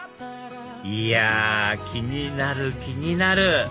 いや気になる気になる！